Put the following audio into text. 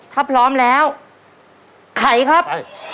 ถ้าพร้อมแล้วไข่ครับ